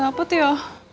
gak dapet ya